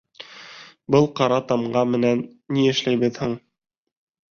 Был ҡара тамға менән ни эшләйбеҙ һуң?